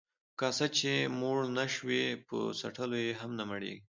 ـ په کاسه چې موړ نشوې، په څټلو يې هم نه مړېږې.